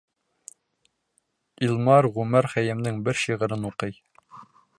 Илмар Ғүмәр Хәйәмдең бер шиғырын уҡый.